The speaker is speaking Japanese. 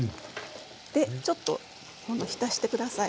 でちょっと今度は浸して下さい。